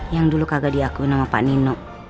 yang dulu kagak diakui nama pak nino